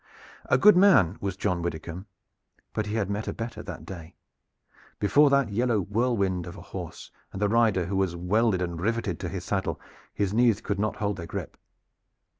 A good man was John Widdicombe, but he had met a better that day. Before that yellow whirlwind of a horse and that rider who was welded and riveted to his saddle his knees could not hold their grip.